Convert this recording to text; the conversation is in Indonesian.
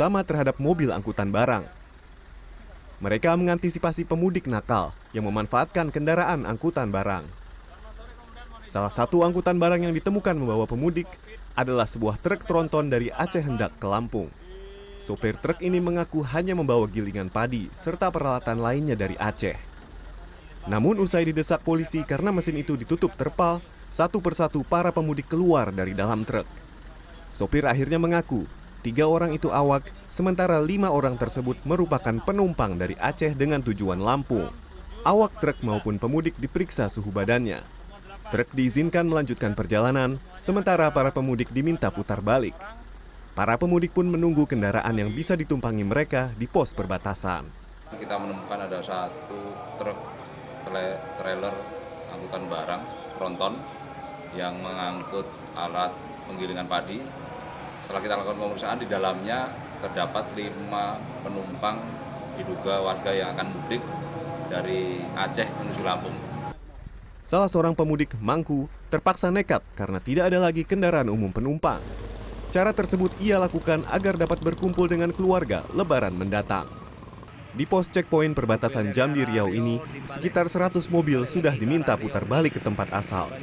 seratus mobil sudah diminta putar balik ke tempat asal